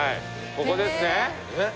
ここですね。